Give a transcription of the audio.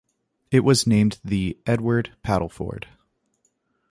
It was named the "Edward Padelford".